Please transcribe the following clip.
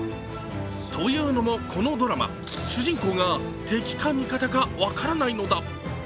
というのも、このドラマ、主人公が敵か味方か分からないのだ。